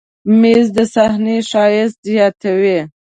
مېز د صحن ښایست زیاتوي.